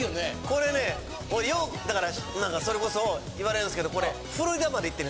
これねようだから何かそれこそ言われるんですけどこれ。